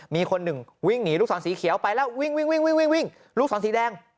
มีคนหนึ่งวิ่งหนีลูกศรสีเขียวไปแล้ววิ่งวิ่งลูกศรสีแดง